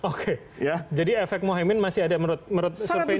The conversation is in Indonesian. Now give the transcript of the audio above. oke jadi efek muhyemine masih ada menurut surveinya